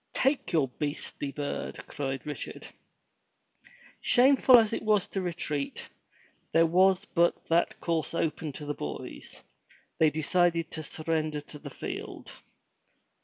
"Take your beastly bird," cried Richard. Shameful as it was to retreat, there was but that course open to the boys. They decided to surrender the field.